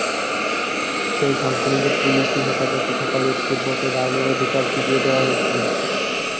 সেই সংশোধনীতে পুলিশি হেফাজতে থাকা ব্যক্তির ভোটে দাঁড়ানোর অধিকার ফিরিয়ে দেওয়া হয়েছিল।